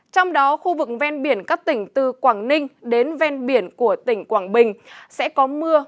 trong đó khu vực ven biển các tỉnh từ quảng ninh đến ven biển của tỉnh quảng bình sẽ có mưa